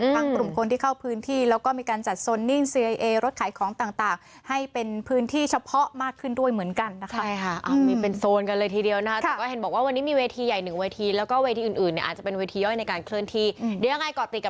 ฟังปลุ่มคนที่เข้าพื้นที่แล้วก็มีการจัดซอน